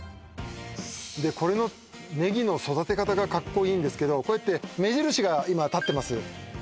これのネギの育て方がカッコいいんですけどこうやって目印が今立ってます